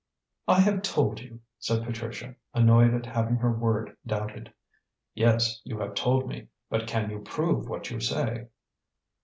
"I have told you," said Patricia, annoyed at having her word doubted. "Yes, you have told me; but can you prove what you say?"